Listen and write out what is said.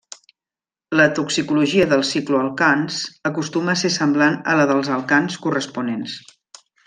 La toxicologia dels cicloalcans acostuma a ser semblant a la dels alcans corresponents.